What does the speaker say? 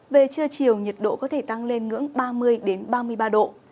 về trưa chiều nhiệt độ có thể tăng lên ngưỡng ba mươi ba mươi ba độ